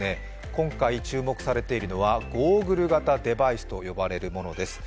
今回、注目されているのはゴーグル型デバイスと呼ばれるものです